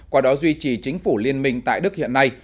qua đó duy trì chính phủ liên minh tại đức hiện nay